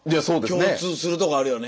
共通するとこあるよね。